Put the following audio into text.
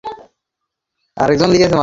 সূর্য অস্ত গেছে কি না বুঝা গেল না।